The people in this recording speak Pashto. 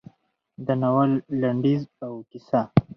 د ناول لنډیز او کیسه: